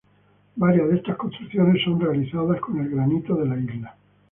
Varias de estas construcciones son realizadas con el granito de la isla.